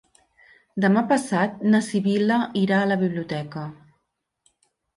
Demà passat na Sibil·la irà a la biblioteca.